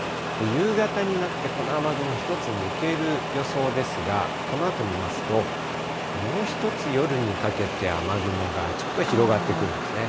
夕方になって、この雨雲、一つ抜ける予想ですが、このあと見ますと、もう一つ、夜にかけて雨雲がちょっと広がってくるんですね。